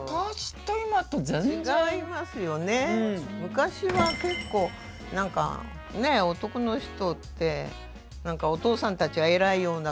昔は結構何かねえ男の人って何かお父さんたちは偉いような感じ。